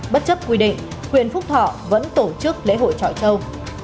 bất chấp quy định quyền phúc thọ vẫn tổ chức lễ hội trọi trâu